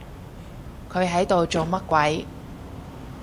佢喺度做乜鬼？